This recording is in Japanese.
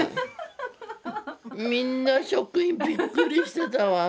みんな職員びっくりしてたわ。